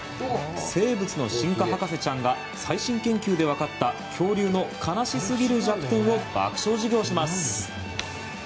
生物の進化博士ちゃんが最新研究でわかった恐竜の悲しすぎる弱点を爆笑授業します。